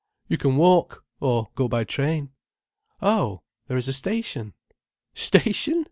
"You can walk—or go by train." "Oh, there is a station?" "Station!"